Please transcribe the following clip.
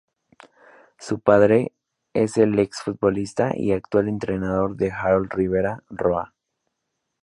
Su padre es el ex-futbolista y actual entrenador Harold Rivera Roa.